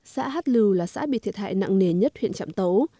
xã hát lưu là xã bị thiệt hại nặng nề nhất huyện trạm tấu